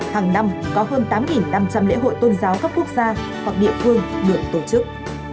hàng năm có hơn tám năm trăm linh lễ hội tôn giáo các quốc gia hoặc địa phương được tổ chức